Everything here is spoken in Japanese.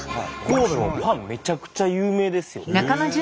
神戸もパンめちゃくちゃ有名ですよ。